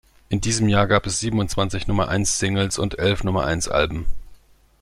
In diesem Jahr gab es siebenundzwanzig Nummer-eins-Singles und elf Nummer-eins-Alben.